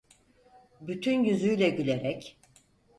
Bütün yüzüyle gülerek: